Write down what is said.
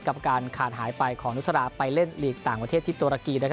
กับการขาดหายไปของนุษราไปเล่นลีกต่างประเทศที่ตัวละกรีดนะครับ